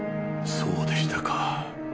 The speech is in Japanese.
そうでしたか。